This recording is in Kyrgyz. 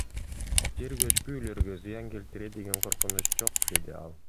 Жер көчкү үйлөргө зыян келтирет деген коркунуч жок, — деди ал.